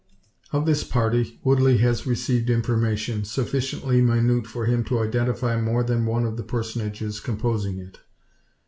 Of this party Woodley has received information, sufficiently minute for him to identify more than one of the personages composing it.